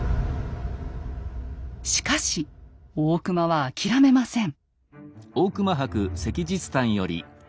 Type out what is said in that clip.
しかし大隈は諦めません。